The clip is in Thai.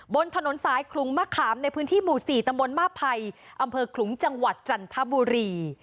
บนถนนสายขลุงมะขามในพื้นที่หมู่๔ตำบลมาภัยอำเภอขลุงจังหวัดจันทบุรี